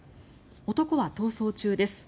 男は逃走中です。